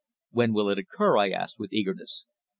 "When will it occur?" I asked, with eagerness.